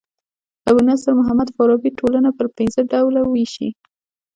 ابو نصر محمد فارابي ټولنه پر پنځه ډوله ويشي.